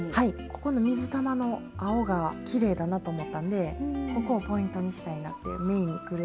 ここの水玉の青がきれいだなと思ったんでここをポイントにしたいなってメインに来るように。